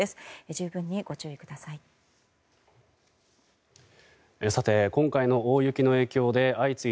十分にご注意ください。